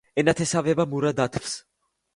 ენათესავება მურა დათვს.